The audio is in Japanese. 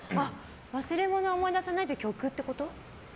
忘れ物は思い出せないっていう曲ってこと？